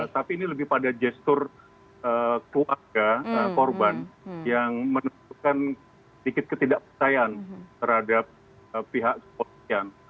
tapi ini lebih pada gestur keluarga korban yang menunjukkan sedikit ketidakpercayaan terhadap pihak kepolisian